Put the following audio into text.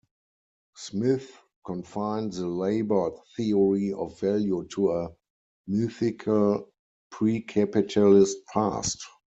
Smith confined the labour theory of value to a mythical pre-capitalist past.